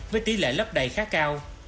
với tỷ lệ lấp đầy khá cao